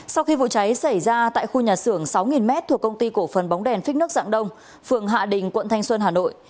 sau khi vụ cháy xảy ra tại khu nhà xưởng sáu m thuộc công ty cổ phần bóng đèn phích nước dạng đông phường hạ đình quận thanh xuân hà nội